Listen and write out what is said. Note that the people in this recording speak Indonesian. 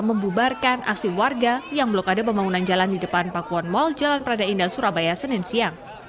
membubarkan aksi warga yang blokade pembangunan jalan di depan pakuan mall jalan prada indah surabaya senin siang